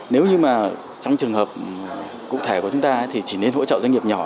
nếu như mà trong trường hợp cụ thể của chúng ta thì chỉ nên hỗ trợ doanh nghiệp nhỏ